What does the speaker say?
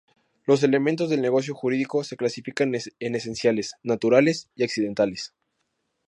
Los elementos del negocio jurídico se clasifican en esenciales, naturales y accidentales.